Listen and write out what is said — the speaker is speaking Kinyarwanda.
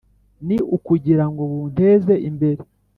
Ni ukugira ngo bunteze imbere